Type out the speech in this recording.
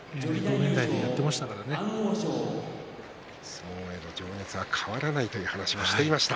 相撲への情熱は変わらないと話していました。